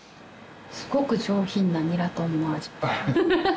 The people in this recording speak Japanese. すごく上品なニラ豚の味。